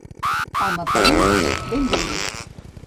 Home pelut, benvolgut.